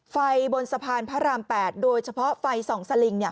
ไฟบนสะพานพระราม๘โดยเฉพาะไฟส่องสลิง